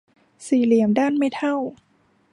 สี่เหลี่ยมด้านไม่เท่า